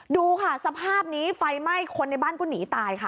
ดูค่ะสภาพนี้ไฟไหม้คนในบ้านก็หนีตายค่ะ